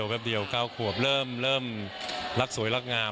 แป๊บเดียว๙ขวบเริ่มรักสวยรักงาม